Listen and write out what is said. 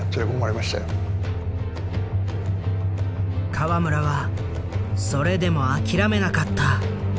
河村はそれでも諦めなかった。